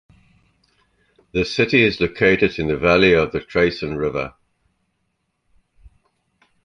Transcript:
The city is located in the valley of the Traisen River.